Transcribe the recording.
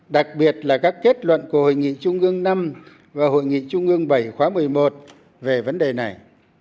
đặc biệt là các kết luận của hội nghị trung ương v và hội nghị trung ương vii khóa xi về vấn đề này